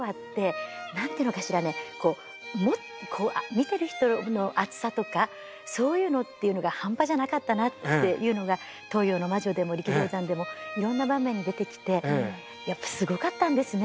見てる人の熱さとかそういうのっていうのが半端じゃなかったなっていうのが東洋の魔女でも力道山でもいろんな場面に出てきてやっぱすごかったんですね。